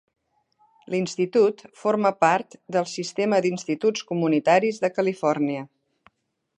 L'institut forma part del Sistema d'instituts comunitaris de Califòrnia.